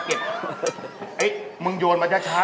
เฮ้มึงโยนมาได้ข้ามา